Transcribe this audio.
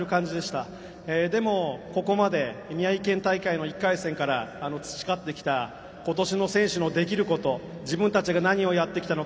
でもここまで宮城県大会の１回戦から培ってきた今年の選手のできること自分たちが何をやってきたのか